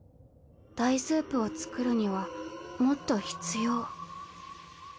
ダイスープを作るにはもっと必要。